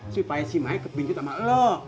supaya si mae kepincut sama lo